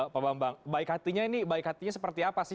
pak bambang baik hatinya ini baik hatinya seperti apa sih